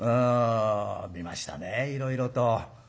見ましたねいろいろと。